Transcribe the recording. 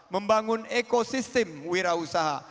membangun ekosistem wirausaha